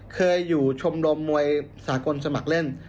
เคยอยู่ชมรมมวยสากลสมัครเล่น